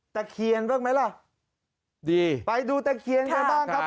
ตะเคียนบ้างไหมล่ะดีไปดูตะเคียนกันบ้างครับ